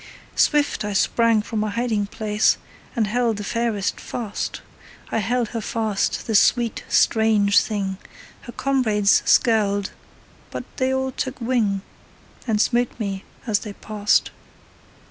Swift I sprang from my hiding place And held the fairest fast; I held her fast, the sweet, strange thing: Her comrades skirled, but they all took wing, And smote me as they passed.